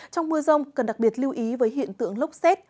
trong mưa rông cần đặc biệt lưu ý với hiện tượng lốc xét